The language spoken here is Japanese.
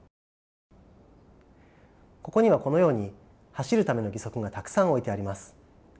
ここにはこのように走るための義足がたくさん置いてあります。